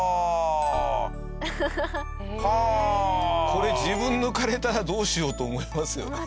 これ自分抜かれたらどうしようと思いますよね。